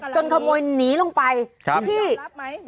ขโมยหนีลงไปครับพี่รับไหม